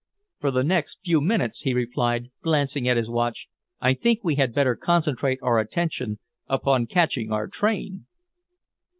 "For the next few minutes," he replied, glancing at his watch, "I think we had better concentrate our attention upon catching our train."